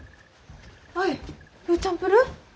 アイフーチャンプルー？